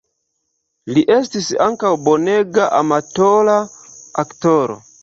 Li estis ankaŭ bonega amatora aktoro.